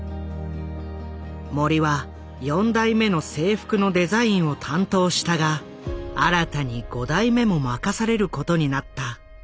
森は４代目の制服のデザインを担当したが新たに５代目も任されることになった。